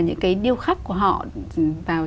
những cái điêu khắc của họ vào